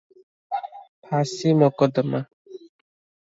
ଫାଶି ମକଦ୍ଦମା ।